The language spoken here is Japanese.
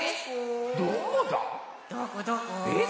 えっ？